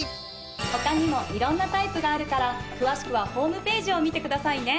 他にも色んなタイプがあるから詳しくはホームページを見てくださいね。